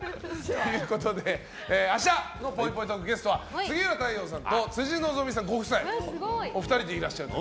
明日のぽいぽいトークのゲストは杉浦太陽さんの辻希美さんご夫妻お二人でいらっしゃると。